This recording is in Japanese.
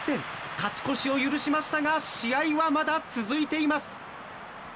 勝ち越しを許しましたが試合はまだ続いています。